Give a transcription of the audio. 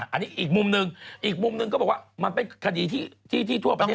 อันนี้อีกมุมหนึ่งอีกมุมหนึ่งก็บอกว่ามันเป็นคดีที่ทั่วประเทศ